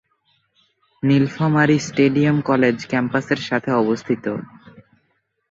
Nilphamari stadium college ক্যাম্পাসের সাথে অবস্থিত।